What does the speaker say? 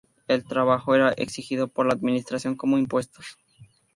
El trabajo era exigido por la administración como impuestos.